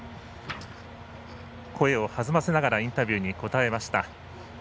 声を弾ませながらインタビューに答えました。